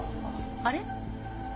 あれ？